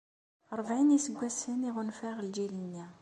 Rebɛin n yiseggasen i ɣunfaɣ lǧil-nni.